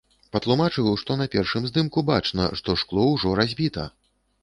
Патлумачыў, што на першым здымку бачна, што шкло ўжо разбіта.